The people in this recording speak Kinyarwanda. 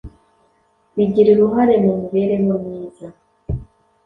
bigira uruhare mu mibereho myiza